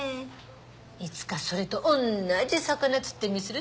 「いつかそれと同じ魚釣ってみせる」